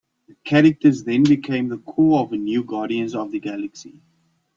The characters then became the core of a new Guardians of the Galaxy.